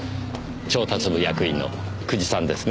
調達部役員の久慈さんですね。